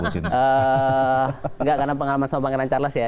tidak karena pengalaman saya dengan pangeran charles ya